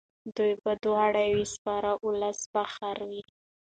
دوی به دواړه وي سپاره اولس به خر وي.